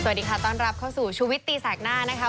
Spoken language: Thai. สวัสดีค่ะต้อนรับเข้าสู่ชูวิตตีแสกหน้านะคะ